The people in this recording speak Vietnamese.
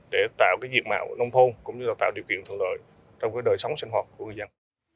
để tạo cái diện mạo nông thôn cũng như là tạo điều kiện thuận lợi trong đời sống sinh hoạt của người dân